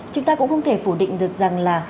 chúng ta cũng không thể phủ định được rằng là